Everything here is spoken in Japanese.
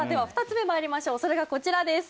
２つ目まいりましょうそれがこちらです